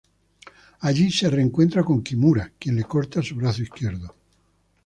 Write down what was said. Allí se reencuentra con Kimura, quien le corta su brazo izquierdo.